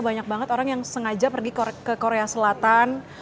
banyak banget orang yang sengaja pergi ke korea selatan